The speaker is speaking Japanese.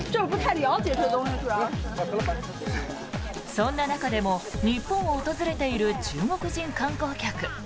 そんな中でも日本を訪れている中国人観光客。